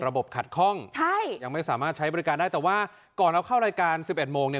ขัดข้องใช่ยังไม่สามารถใช้บริการได้แต่ว่าก่อนเราเข้ารายการสิบเอ็ดโมงเนี่ย